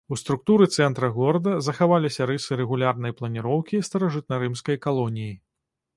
У структуры цэнтра горада захаваліся рысы рэгулярнай планіроўкі старажытнарымскай калоніі.